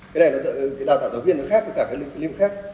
cái này nó đào tạo giáo viên nó khác với cả cái lĩnh vực khác